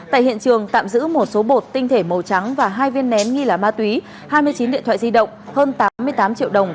tại hiện trường tạm giữ một số bột tinh thể màu trắng và hai viên nén nghi là ma túy hai mươi chín điện thoại di động hơn tám mươi tám triệu đồng